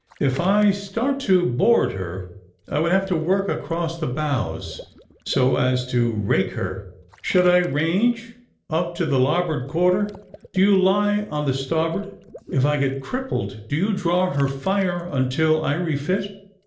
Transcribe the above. If I start to board her, I would have you work across the bows so as to rake her. Should I range, up on the larboard quarter, do you lie, on the starboard. If I get crippled, do you draw her fire until I refit.